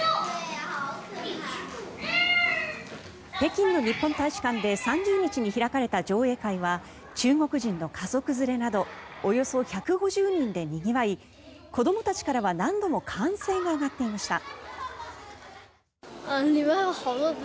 北京の日本大使館で３０日に開かれた上映会は中国人の家族連れなどおよそ１５０人でにぎわい子どもたちからは何度も歓声が上がっていました。